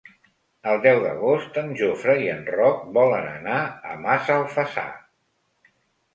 El deu d'agost en Jofre i en Roc volen anar a Massalfassar.